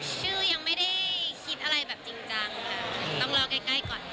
ชื่อยังไม่ได้คิดอะไรแบบจริงจังค่ะต้องรอใกล้ก่อน